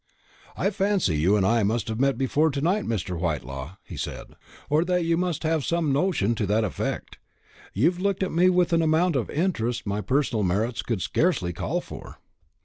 "I fancy you and I must have met before to night, Mr. Whitelaw," he said; "or that you must have some notion to that effect. You've looked at me with an amount of interest my personal merits could scarcely call for."